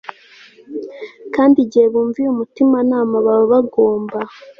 Kandi igihe bumviye umutimanama baba bagomba